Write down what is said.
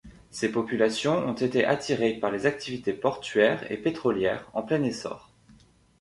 Ces populations ont été attirées par les activités portuaire et pétrolière en plein essor.